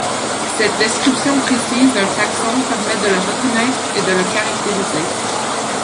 Cette description précise d'un taxon permet de le reconnaître et de le caractériser.